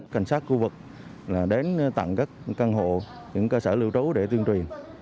cảnh sát khu vực đến tặng các căn hộ những cơ sở lưu trú để tuyên truyền